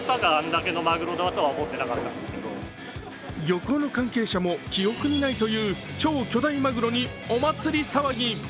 漁港の関係者も記憶にないという超巨大まぐろにお祭り騒ぎ。